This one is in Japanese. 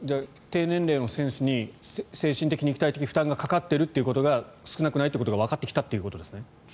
低年齢の選手に精神的・肉体的負担がかかっているということが少なくないということがわかってきたということですね。